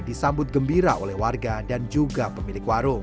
disambut gembira oleh warga dan juga pemilik warung